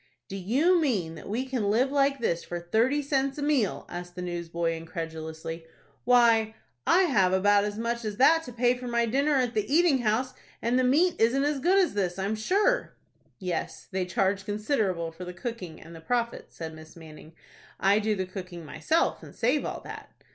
"Do you mean that we can live like this for thirty cents a meal?" asked the newsboy, incredulously. "Why, I have about as much as that to pay for my dinner at the eating house, and the meat isn't as good as this, I am sure." "Yes, they charge considerable for the cooking and the profits," said Miss Manning. "I do the cooking myself, and save all that."